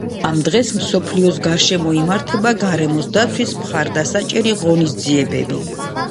ამ დღეს მსოფლიოს გარშემო იმართება გარემოს დაცვის მხარდასაჭერი ღონისძიებები.